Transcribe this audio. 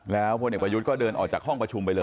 แล้วพลเอกประยุทธ์ก็เดินออกจากห้องประชุมไปเลย